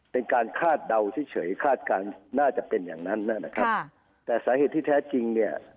เป็นการคาดเดาเฉยคาดการณ์น่าจะเป็นอย่างนั้นนะครับแต่สาเหตุที่แท้จริงเนี่ย